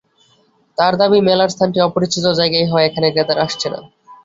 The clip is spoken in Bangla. তাঁর দাবি, মেলার স্থানটি অপরিচিত জায়গায় হওয়ায় এখানে ক্রেতারা আসছেন না।